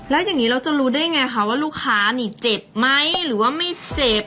แล้วอย่างนี้เราจะรู้ได้ไงคะว่าลูกค้านี่เจ็บไหมหรือว่าไม่เจ็บ